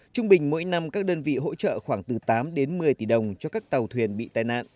trung bình mỗi năm các đơn vị hỗ trợ khoảng từ tám đến một mươi tỷ đồng cho các tàu thuyền bị tai nạn